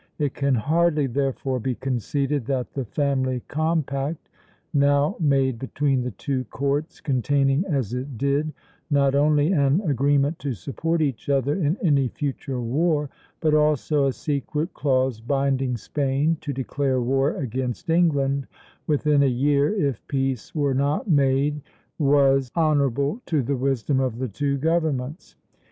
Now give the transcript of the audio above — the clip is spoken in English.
It can hardly, therefore, be conceded that the Family Compact now made between the two courts, containing, as it did, not only an agreement to support each other in any future war, but also a secret clause binding Spain to declare war against England within a year, if peace were not made, "was honorable to the wisdom of the two governments."